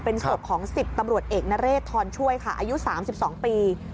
เป็นศพของ๑๐ตำรวจเอกนเรศทรช่วยค่ะอายุ๓๒ปี